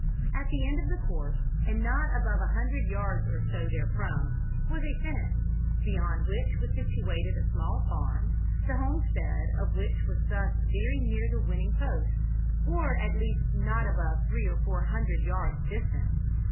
At the end of the course, and not above a hundred yards or so therefrom, was a fence, beyond which was situated a small farm, the homestead of which was thus very near the winning post, or at least not above three or four hundred yards distant.